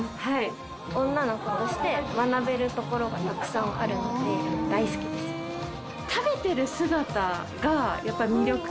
女の子として学べるところがたくさんあるので大好きです。